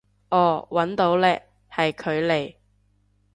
哦搵到嘞，係佢嚟